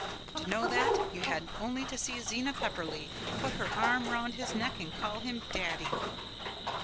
To know that, you had only to see Zena Pepperleigh put her arm round his neck and call him Daddy.